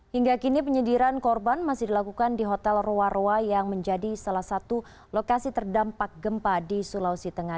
hingga kini penyediran korban masih dilakukan di hotel roa roa yang menjadi salah satu lokasi terdampak gempa di sulawesi tengah